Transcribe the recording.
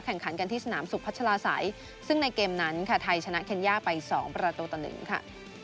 แข่งขันกันที่สนามสุขพัชลาศัยซึ่งในเกมนั้นค่ะไทยชนะเคนย่าไป๒ประตูต่อ๑ค่ะ